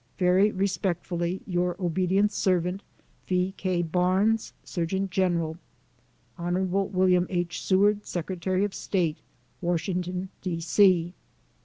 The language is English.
Very respectfully, your obdt. servant, V. K. BAKXES, Surgeon General. Hon. WM. H. SEWAKD, Secretary of State, Washington, D. C.